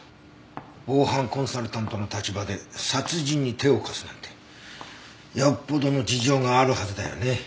防犯コンサルタントの立場で殺人に手を貸すなんてよっぽどの事情があるはずだよね。